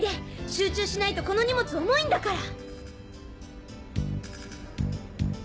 集中しないとこの荷物重いんだから。